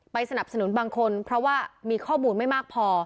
สนับสนุนบางคนเพราะว่ามีข้อมูลไม่มากพอ